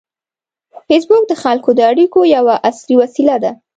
فېسبوک د خلکو د اړیکو یوه عصري وسیله ده